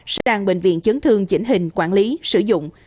sang bệnh viện chấn thương chỉnh hình quản lý sử dụng